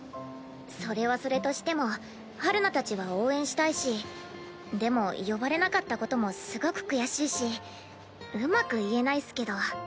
それはそれとしても陽菜たちは応援したいしでも呼ばれなかったこともすごく悔しいしうまく言えないっすけど。